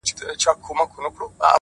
ما په لفظو کي بند پر بند ونغاړه”